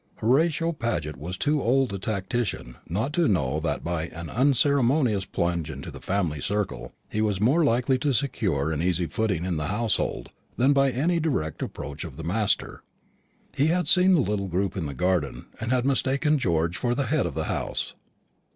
Horatio Paget was too old a tactician not to know that by an unceremonious plunge into the family circle he was more likely to secure an easy footing in the household than by any direct approach of the master. He had seen the little group in the garden, and had mistaken George for the head of the house.